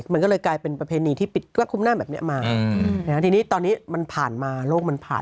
มันก็เลยกลายเป็นประเพณีที่ปิดก็คุ้มหน้าแบบนี้มาทีนี้ตอนนี้มันผ่านมาโลกมันผ่าน